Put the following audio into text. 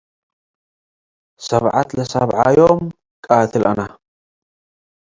ሰብዐት ለሳብዓዮም ቃትል አነ